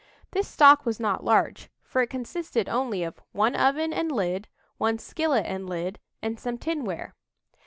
This stock was not large, for it consisted only of "one oven and lid, one skillet and lid, and some tinware."